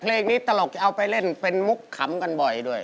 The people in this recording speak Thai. เพลงนี้ตลกจะเอาไปเล่นเป็นมุกขำกันบ่อยด้วย